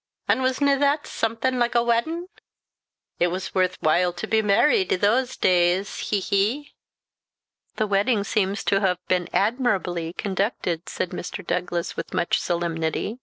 An' was nae that something like a waddin? It was worth while to be married i' thae days he, he!" "The wedding seems to have been admirably conducted," said Mr. Douglas, with much solemnity.